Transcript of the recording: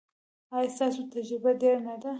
ایا ستاسو تجربه ډیره نه ده؟